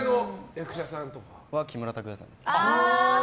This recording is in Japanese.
木村拓哉さんです。